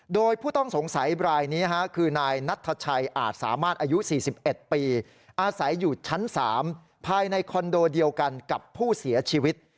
โดยผู้ต้องสงสัยรายนี้คือนายนัทชัยอาจสามารถอายุ๔๑ปีอาศัยอยู่ชั้น๓ภายในคอนโดเดียวกันกับผู้เสียชีวิต